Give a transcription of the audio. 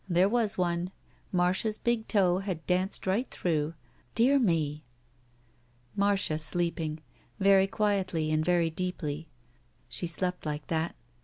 There was one! Marcia's big toe had danced right through. "Dear me!" Marcia sleeping. Very quietly and very deeply. She slept like that.